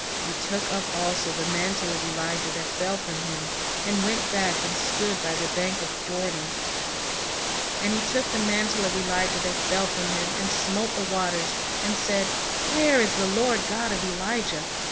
He took up also the mantle of Elijah that fell from him, and went back, and stood by the bank of Jordan ; and he took the mantle of Elijah that fell from him, and smote the waters, and said, Where is the Lord God of Elijah?